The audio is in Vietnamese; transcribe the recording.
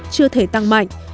chưa thể tăng mạnh